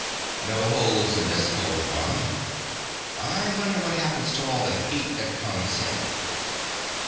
"No holes in this cold bomb. I wonder what happens to all the heat that comes in?"